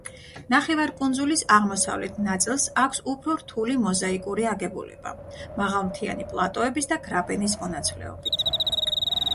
ნახევარკუნძულის აღმოსავლეთ ნაწილს აქვს უფრო რთული მოზაიკური აგებულება, მაღალმთიანი პლატოების და გრაბენის მონაცვლეობით.